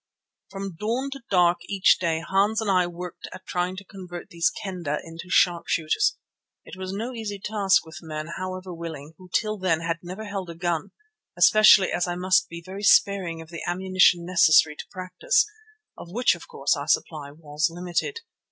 From dawn to dark each day Hans and I worked at trying to convert these Kendah into sharpshooters. It was no easy task with men, however willing, who till then had never held a gun, especially as I must be very sparing of the ammunition necessary to practice, of which of course our supply was limited.